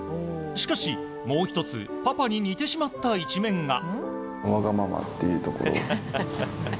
しかし、もう１つパパに似てしまった一面が。